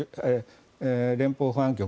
連邦保安局。